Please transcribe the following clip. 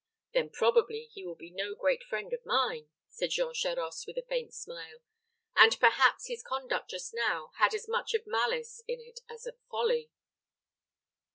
"Then probably he will be no great friend of mine," said Jean Charost, with a faint smile; "and perhaps his conduct just now had as much of malice in it as of folly."